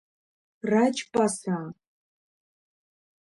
Раџьпасраа…